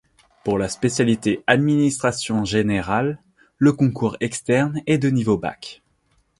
Pour la spécialité Administration générale, le concours externe est de niveau Bac.